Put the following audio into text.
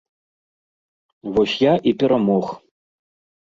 Вось я і перамог.